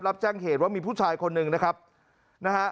รับแจ้งเหตุว่ามีผู้ชายคนหนึ่งนะครับนะฮะ